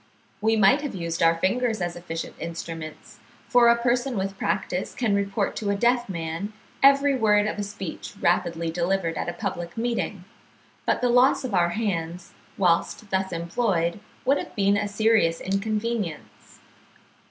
We might have used our fingers as efficient instruments, for a person with practice can report to a deaf man every word of a speech rapidly delivered at a public meeting; but the loss of our hands, whilst thus employed, would have been a serious inconvenience.